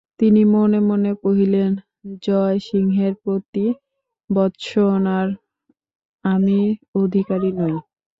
তিনি মনে মনে কহিলেন, জয়সিংহের প্রতি ভর্ৎসনার আমি অধিকারী নই।